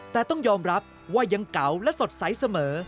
แต่ต้องยอมรับว่ายังเก่าและสดใสเสมอ